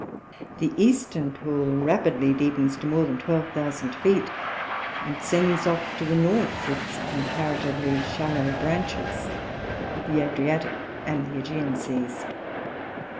The eastern pool rapidly deepens to more than 12,000 feet, and sends off to the north its comparatively shallow branches, the Adriatic and the Aegean Seas.